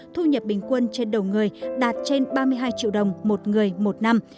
thu nhập bình quân trên đầu người đạt trên ba mươi hai triệu đồng một người một năm